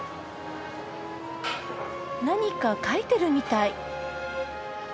何か描いてるみたい。